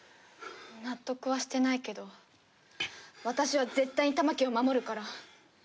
納得はしてないけど私は絶対に玉置を守るから。